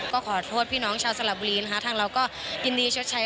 ก็ขอโทษพี่น้องชาวสระบุรีนะคะทางเราก็ยินดีชดใช้